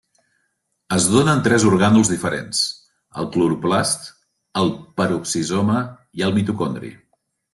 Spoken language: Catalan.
Es dóna en tres orgànuls diferents: el cloroplast, el peroxisoma i el mitocondri.